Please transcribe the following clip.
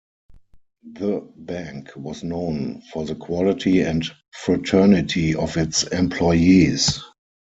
The bank was known for the quality and fraternity of its employees.